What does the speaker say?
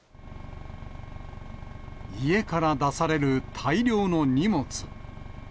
家から出される大量の荷物。